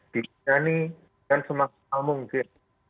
di sini kan semangat mungkin